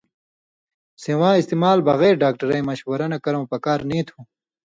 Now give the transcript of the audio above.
سِواں استعمال بغیر ڈاکٹرَیں مشورہ نہ کرؤں پکار نی تُھو۔